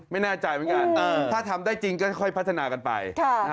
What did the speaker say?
ไม่แน่ใจเหมือนกันถ้าทำได้จริงก็ค่อยพัฒนากันไป